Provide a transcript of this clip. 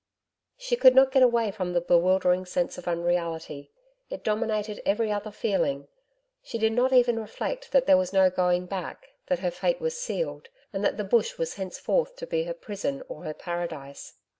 She could not get away from the bewildering sense of unreality. It dominated every other feeling. She did not even reflect that there was no going back; that her fate was sealed, and that the Bush was henceforth to be her prison or her paradise.